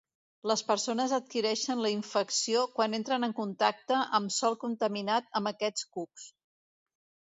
Les persones adquireixen la infecció quan entren en contacte amb sòl contaminat amb aquests cucs.